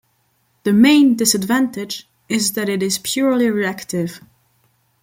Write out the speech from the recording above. The main disadvantage is that it is purely reactive.